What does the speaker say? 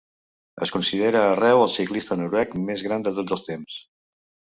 Es considera arreu el ciclista noruec més gran de tots els temps.